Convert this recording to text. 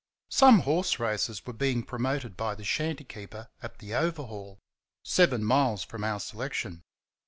Some horse races were being promoted by the shanty keeper at the Overhaul seven miles from our selection.